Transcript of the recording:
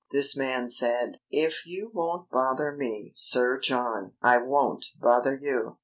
This man said: "If you won't bother me, Sir John, I won't bother you."